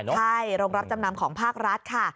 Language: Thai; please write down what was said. ใช่โรงรับจำนำของภาครัฐค่ะ